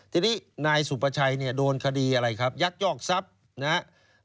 ทีนี้นายสุประชัยเนี่ยโดนคดีอะไรครับยักยอกทรัพย์นะครับ